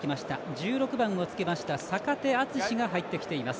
１６番を着けました坂手淳史が入ってきています。